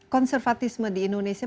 konservatisme di indonesia